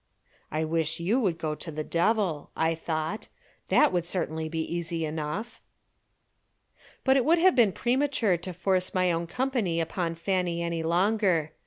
"I wish you would go to the devil," I thought. "That would certainly be easy enough." But it would have been premature to force my own company upon Fanny any longer.